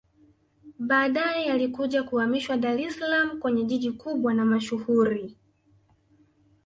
Baadae yalikuja kuhamishiwa Dar es salaam kwenye jiji kubwa na mashuhuri